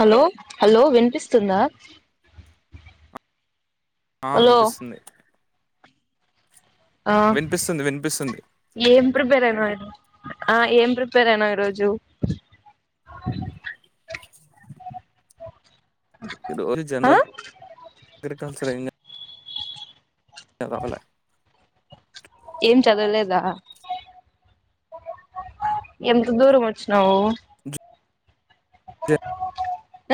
Hello hello వినిపిస్తుందా ఆ hello వినిపిస్తుంది ఆ వినిపిస్తుంది వినిపిస్తుంది ఏం ప్రిపేర్ అయి ఆ ఏం ప్రిపేర్ అయినావ్ ఈరోజు ఇ రోజు ఆ జనరల్ గా అగ్రికల్చర్ అయ్ అది అవలే ఏం చదవలేదా ఎంత దూరం వచ్చినావు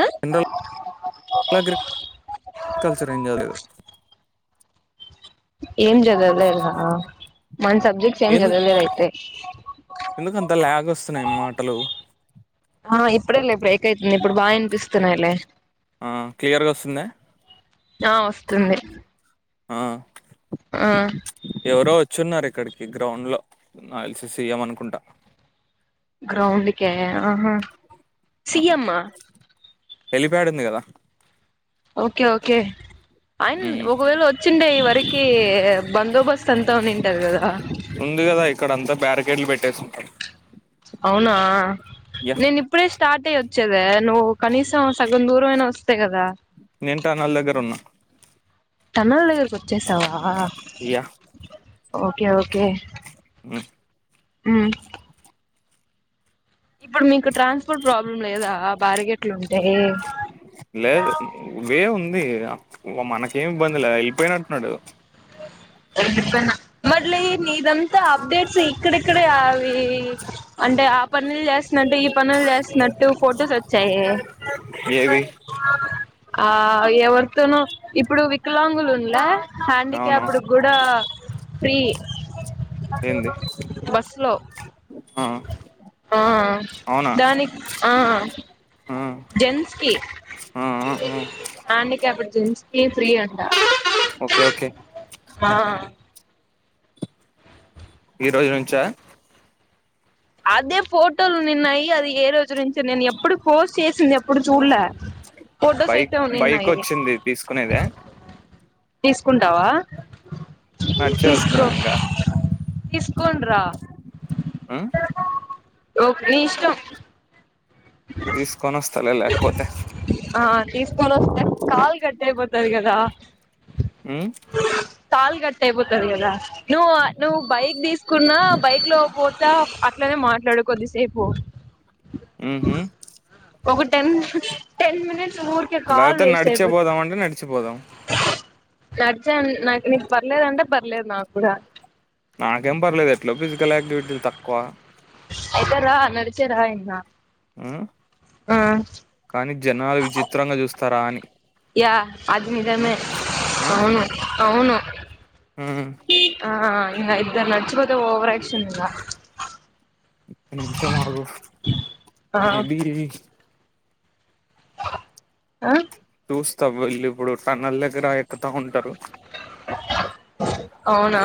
ఆ జనరల్ అగ్రికల్చర్ ఏం కాలేదు ఏం జదలేరు మన సబ్జెక్ట్స్ ఏం ఎందు జదలేదు అయితే ఎందుకు అంత ల్యాగ్ వస్తున్నాయి మాటలు ఆ ఇప్పుడేలే బ్రేక్ అవుతుంది ఇప్పుడు బాగా అనిపిస్తున్నాయిలే ఆ క్లియర్ గా వస్తుందా ఆ వస్తుంది ఆ ఆ ఎవరో వచ్చున్నారు ఇక్ ఇక్కడికి గ్రౌండ్ లో నాక్ దేల్సి సీఎం అనుకుంటా గ్రౌండ్క ఆహా ఆ, సీఎమ్మా హెలిప్యాడ్ ఉంది కదా ఓకే ఓకే ఆయన ఉమ్ ఒకవేళ వచ్చిండే ఈ వరకి బందోబస్తుత్ అంతా వుండింటది కదా ఉంది కదా ఇక్కడ అంతా బ్యారికేడ్లు పెట్టేసింటారు ఆ నేను ఇప్పుడే స్టార్ట్ అయ వచ్చేద నువ్వు కనీసం సగం దూరం అయినా వస్ నేన్ టనల్ దగ్గర ఉన్నా టనళ్ దగ్గరికి వచ్చేసావా యా ఓకే ఓకే ఊ ఊ ఇప్పుడు మీకు ట్రాన్స్పోర్ట్ ప్రాబ్లం లేదా బారగెట్లు ఉంటే లేదు వే ఉంది ఓ మనకేమి ఇబ్బంది లే వెళ్ళిపోయినటున్నాడు మల నిదంత అప్డేట్స్ ఇక్కడ ఇక్కడే అవి అంటే ఆప్ పనులు చేస్తున్నట్టు ఈ పనులు చేస్తున్నట్టు ఫొటోస్ వచ్చాయి ఏది ఆ ఎవరితోనూ ఇప్పుడు వికలాంగులు ఉండ అవును అప్పుడు కూడా ఫ్రీ ఏంది బస్ లో ఆ ఆ అవునా దాని ఆ ఆ జెన్స్కి ఆ ఆ ఆ జెన్నికి అప్పుడు జెన్స్కి ఫ్రీ ఉంటాడు ఓకే ఓకే ఆ ఈ రోజు నుంచా అదే ఫోటోలు నిన్నయి అది ఏ రోజు నుంచి నేను ఎప్పుడు పోస్ట్ చేసింది ఎప్పుడు చూడలే ఫోటోస్ బైక్ అయితే ఉవునున్ బైక్ నాయి వచ్చింది తీసుకునేదే తీసుకుంటావా నడిచ్చే వస్తుదు నా ఇంకా ఇస్కోండ్రా ఉమ్ ఓ ని ఇస్తం తీసుకొని వాస్తాలేలాక్పోతే ఆ తీసుకొని వస్తే కాలు కట్ అయిపోతారు కదా ఉమ్ తాల్ గట్ట అయిపోతది అద నువ్వు నువ్వు బైక్ తీసుకున్నా బైక్ లో పోతా అట్లనే మాట్లాడు కొద్దిసేపు ఉమ్ హు ఒక టెన్ టెన్ మినిట్స్ ఊరికే కాల్ లేకపోతే వేస్ట్ నడిచే అయిపోతంది పోదాం అంటే నడిచిపోదాం నడిచా నాకు నీకు పర్లేదుంటే పర్లేదు నాకు కూడా నాకేం పర్లేదు ఎట్లో ఫిజికల్ యాక్టివిటీలు తక్కువ అయితార నడిచేరా ఇన్నా ఉమ్ ఆ కానీ జనాలు విచిత్రంగా చూస్తారా అని యా అది ఉమ్ నిదమే ఉమ్ అవును అవును ఉమ్ ఆ ఇదన్న అచ్చపోతే ఓవర్ ఆక్షన్ంద ఓక నిమిష ఆగు ఆ మేబి ఆ చూస్తా వెళ్ళ ఇప్పుడు టన్నల్ దగ్గర ఎక్కతా ఉంటారు అవునా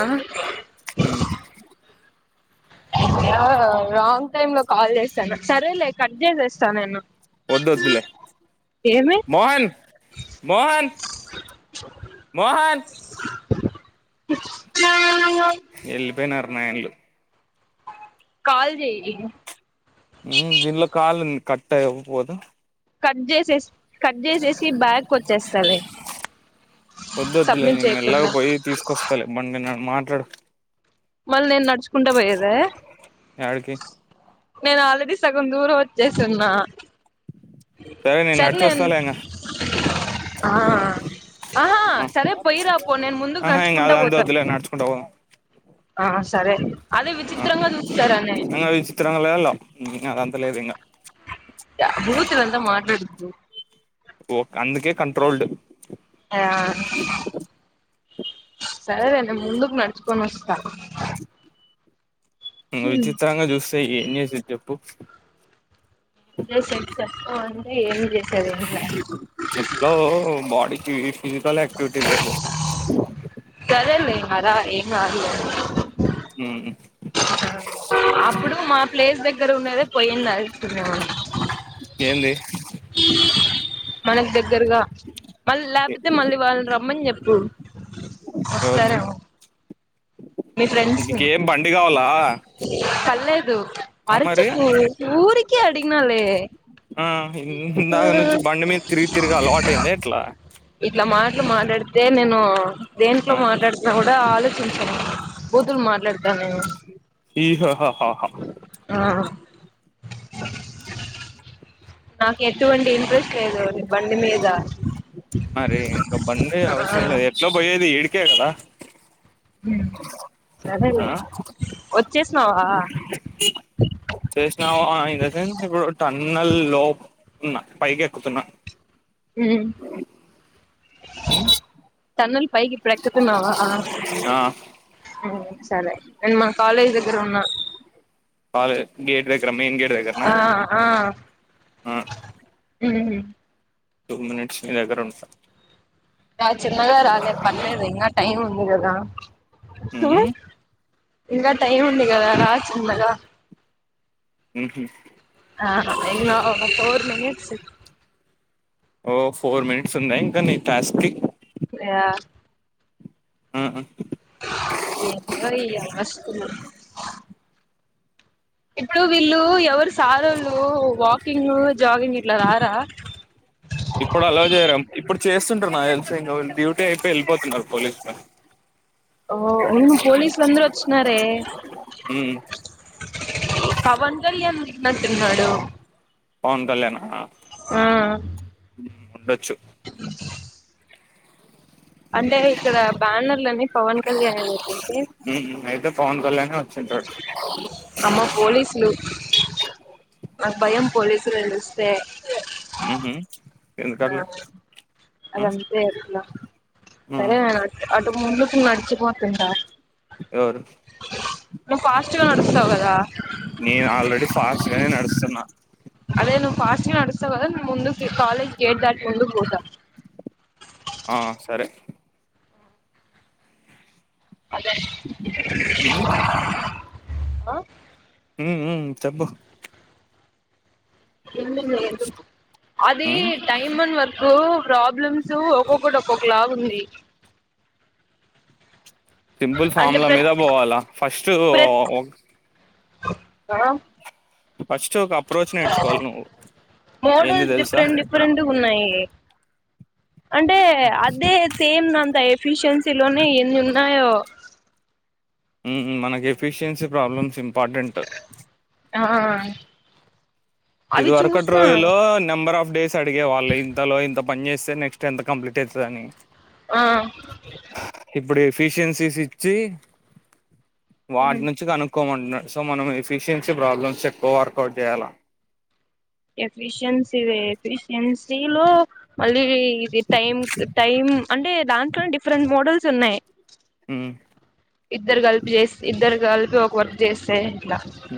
ఉమ్ రాంగ్ టైమ్ లో కాల్ చేస్తాను సరేలే కట్ చేసేస్తాను నేను వద్దు వద్లే ఏమి మోహన్ మోహన్ మోహన్ వెళ్ళిపోయినర నాయన్లు కాల చేయ ఉ దన్లో కాల కట్టాపోదు కట్ చేసే కట్ చేసేసి బ్యాగ్కి వచ్చేస్తాధి వదద్దులే ని మెల్లాగా పోయి తీసుకొస్తాలే బండి మాట్లాడు మళ్ళీ నేను నడుచుకుంటా పోయేద యాడికి నేను ఆల్రెడీ సగం దూరం వచ్చేసిన్నా సరే నేను సర్లేను నడిచొస్తాలే ఇంగ ఆ ఆహా సరే బైరాపో నేన్ ముందుకు ఆహా ఇంగ నడుచకుంటా అదంతా పోతావ వద్దులే నడుచుకుంటా పోదాం ఆ సరే అదే విచిత్రంగా చూస్తారాని చిత్రంగాల అద అంత లేదు ఇం య భూతులంతా మాట్లాడుద్దు ఓ అందుకే కంట్రోల్డ్ ఆ సరేలే మేం ముందుకు నడుచుకొని వస్తా మ్మ్ విచిత్రంగా చూస్తే ఏం చేసేది చెప్పు ఏం చేసేది చెప్పు అంటె ఏమి చేసది ఇంగ ఈ ఈ ఫిజికల్ యాక్టివిటీ చెయ్యల్ల లేదు లే ఇంగ రా ఏం కాదు లే మ్మ్ ఆ అప్పుడు మా ప్లేస్ దగ్గర ఉన్నదే పోయింది అనుకున్నాను ఏంది మనకి దగ్గరగా మళ్ళీ లేకపోతే మళ్ళీ వాళ్ళని రమ్మని చెప్పు ఎవరిని వస్తారేమో నీకేం బండి కావల్ల పల్లేదు మరి అరుచక్ ఊరికే అడిగినాలే ఆ ఇందాక నుంచి బండి మీద తిరిగి తిరిగి అలవాటు అయింద ఎట్లా ఇట్లా మాట్లు మాట్లాడితే నేను దేంట్లో ఆ మాట్లాడుత కూడా ఆలోచించను బూతులు మాట్లాడతా నేను ఈ ఆ హహ హా ఆ నాకు ఎటువంటి ఇంట్రెస్ట్ లేదు నీ బండి మీద మరి ఇంక బండి ఆ అవసరం లేదు ఎట్లా పొయ్యేది ఈడికే కదా మ్మ్ ఆ సరేలే వచ్చేసినావా ఉన్న లో తున్న పైకి ఎక్కుతున్నా మ్మ్ తన్నల్ పైకి ఇప్పుడు ఎక్కుతున్నావా ఆ మ్మ్ సరే నేను మా కాలేజ్ దగ్గర ఉన్నా ఆదే గేట్ దగ్ ఆ ఆ ఆ మ్మ్ టూ మినిట్స్ నీ దగ్గర ఉంటా రా చిన్నగా రాలే పర్లేదు ఇంగ టైం ఉంది కదా మ్మ్ హు ఇంగా టైమ్ ఉంది కదా రా చిన్నగా మ్మ్ హు ఆ ఇంగ ఒక ఫోర్ మినిట్స్ ఓ ఫోర్ మినిట్స్ ఉందా ఇంకా నీ టాస్క్ కి ఇగ మ్మ్ ఎందో ఈ అవస్థలు ఇప్పుడు వీళ్ళు ఎవరు సారోళ్ళు వాకింగ్ జాగింగ్ ఇట్లా రారా ఇప్పుడు అలా చేరాం ఇప్పుడు చేస్తుంటారు నాక్ తెలిసి డ్యూటీ అయిపోయి వెళ్ళిపోతున్నారు పోలీసు లో ఓ ఊను పోలీసులందరూ వచ్చినారే ఉమ్ పవన్ కళ్యాణ్ వచ్చినట్టున్నాడు పవన్ కళ్యాణ ఆ ఉండొచ్చు అంటే ఇక్కడ బ్యానర్లని పవన్ కళ్యాణ్ వి పెట్టింటే ఉమ్ అయితే పవన్ కళ్యాణే వచ్చింటాడు అమ్మ పోలీసులు నాకు భయం పోలీసులను చూస్తే ఉహు ఆహా ఎందుకట్లా అది ఆ అంతే అట్ల ఆ సరే మనం అటు ముందుకు నడిచు పోతుంట ఎవరు ఫాస్ట్ గా నడుస్తావు కదా నేను ఆల్రెడీ ఫాస్ట్ గానే నడుస్తున్నా అదే నువ్ ఫాస్ట్ంగ్ నడుస్తావ్ కదా ముందు కాలేజ్ గేట్ దాట్ ముందుకు కు పో ఆ సరే ఆ ఆ ఉ చెప్పు అదే ఉమ్ డైమండ్ వర్ కు ప్రాబ్లమ్స్ ఒక్కొక్కటి ఒక్కొక్కలాగు ఉంది సింపుల్ అంటే ఫామ్ల మీద ప్రతి పోవాలా ఫస్ట్ ప్రతి ఆ ఫస్ట్ ఫస్ట్ ఒక అప్రోచ్ నేర్చుకోవాలి నువ్వు ఏంది మోడల్స్ తెలుసా డిఫరెంట్ డిఫరెంట్ ఉన్నాయి అంటే అదే సేమ్ అంత ఎఫిషియన్సీ లోనే ఎన్ని ఉన్నాయో మనకి ఎఫిషియన్సీ ప్రాబ్లమ్స్ ఇంపార్టెంట్ ఆ ఇది అవి వరూకటి చూసిన రోజులో నెంబర్ ఆఫ్ డేస్ అడిగేవాళ్ళు ఇంతలో ఇంత పని చేస్తే నెక్స్ట్ ఎంత కంప్లీట్ అవుతుందిని ఆ ఎఫిషియన్సీస్ ఇచ్చి వాటి నుంచి కనుక్కోమంటు సో మనం ఎఫిషియన్సీ ప్రాబ్లమ్స్ ఎక్కువ వర్కౌట్ చేయాల ఎఫిషియన్సీ ఎఫిషియన్సీ ఎఫిషియన్సీలో మళ్ళీ ఇది టైం టైం అంటే దాంట్లోనే డిఫరెంట్ మోడల్స్ ఉన్నాయి ఉమ్ ఇద్దరు కలిపి చేస్త ఇద్దరు కలిపి ఒక వర్క్ చేస్తే ఇట్లా హ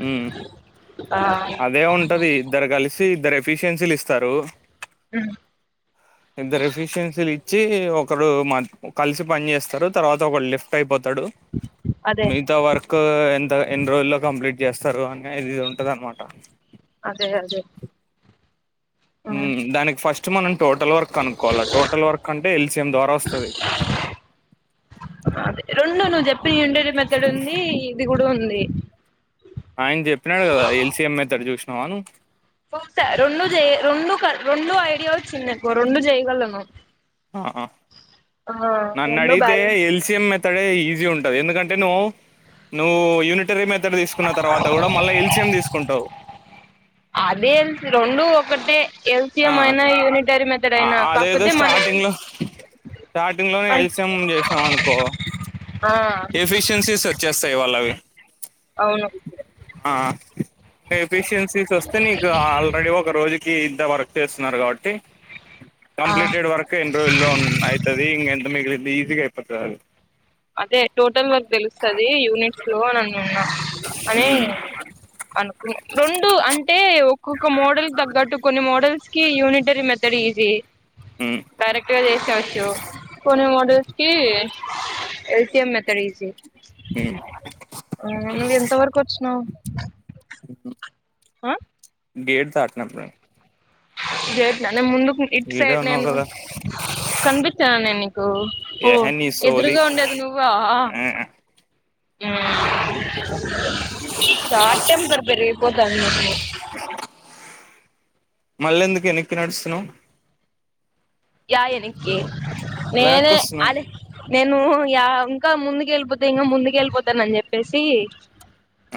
ఆ అదే ఉంటది ఇద్దరు కలిసి ఇద్దరు ఎఫిషియన్సీలు ఇస్తారు ఆ ఇద్దరు ఎఫిషియన్సీలు ఇచ్చి ఒకరు కలిసి పని చేస్తారు తర్వాత ఒకరు లిఫ్ట్ అయిపోతు అతడు అదే మిగతా వర్క్ ఎంత ఎన్ని రోజుల్లో కంప్లీట్ చేస్తారు అనే అది ఇది ఉంటది అనమాట అదే అదే దానికి ఫస్ట్ మనం టోటల్ వర్క్ అనుకోవాలా టోటల్ వర్క్ అంటే ఎల్సిఎం ద్వారా వస్తుంది అదే రెండు నువ్వు చెప్పిన ఉండేడి మెతడు ఉంది ఇది కూడా ఉంది ఆయన చెప్పినాడు కదా ఎల్సీ ఎం మెథడ్ చూసినా నువు స రెండు రెండు రెండు ఐడియా వ చిందికు రెండు చేయగలను ఆహా ఆ నన్ను రెండు అడిగితే బ్యాలెన్స్ ఎల్ సిఎం మెతాడే ఈజీ ఉంటది ఎందుకంటే నువ్వు నువ్వు యూనిట్ ర మెడ్ తీసుకున్న తర్వాత కూడా మళ్ళీ ఎల్సియం తీసుకుంటావు కాకతే ఆ! ఎల్సిఎం అయినా యూనిటరీ మెథడ్ అయినా కాకపోతే మనం స్టార్టింగ్ లోనే ఎల్సిఎం చేసాం అనుకో ఆ ఎఫిషియన్సీస్ వచ్చేస్తాయి వాళ్ళవి అవును ఆ ఎఫిషియన్సీస్ వస్తే నీకు ఆల్రెడీ ఒక రోజుకి వర్క్ చేస్తున్నారు కాబట్టి ఆ కంప్లీటెడ్ వర్క్ ఎన్ని రోజులో లోన్ అవుతది ఎంత మగిలింది ఈజీ అయిపోతుది అ అదే టోటల్ వర్క్ తెలుస్తుంది యూనిట్స్ లో నన్ను ఉన్నా అని ఉమ్ అనుకున్నా రెండు అంటే ఒక్కొక్క మోడల్ తగ్గట్టు కొన్ని మోడల్స్ కి యూనిట్ యూనిటరీ మెథడ్ ఈసీ ఉమ్ కరెక్ట్గా చేసేవచ్చు కొన్ని మోడల్స్ కి L C M method easy ఉమ్ ఆ నువ్ ఎంత వరకు వచ్చినవు ఆ [unintelligible] గేట్ నేను ముందుకు ఇట్ ఈడే సైడ్ ఉన్నావు నేను కదా కనిపిచాన నెను ఓ ఓ ఏహే నీ సోది ఎదురుగా ఉండేది నువ్వా ఆ షార్ట్ టెంపర్ పెరిగిపోతోంది నీకు మళ్ళెందుకు ఎనకి నడుస్తునవ్ య ఎకి నేనే వెనక్కి వస్తున్నాను అద నేను యా ఇంకా ముందుకు వెళ్ళిపోతే ఇంకా ముందుకు వెళ్ళిపోతానని చెప్పేసి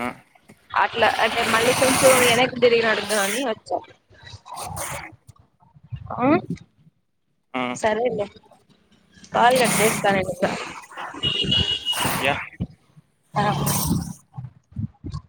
ఆ అట్లా అంటే మళ్ళీ కొంచెం వెనక్కి తిరిగినా [unintelligible] వచ్చ ఆ సరేలే కాల్ కట్ చేస్తాను యా ఆ